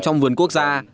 trong vườn quốc gia